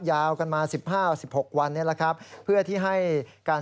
ยาวมา๑๕๑๖วันนี้แล้วครับ